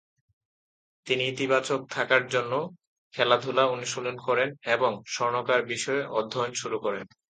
তিনি ইতিবাচক থাকার জন্য খেলাধুলা অনুশীলন করেন এবং স্বর্ণকার বিষয়ে অধ্যয়ন শুরু করেন।